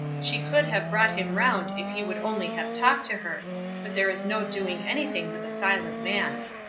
She could have brought him round if he would only have talked to her, but there is no doing anything with a silent man.